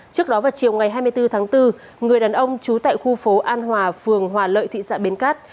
trước đó vào chiều ngày hai mươi bốn tháng bốn người đàn ông trú tại khu phố an hòa phường hòa lợi thị xã bến cát